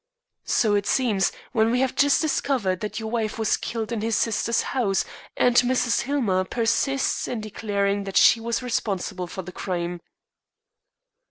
"So it seems, when we have just discovered that your wife was killed in his sister's house, and Mrs. Hillmer persists in declaring that she was responsible for the crime."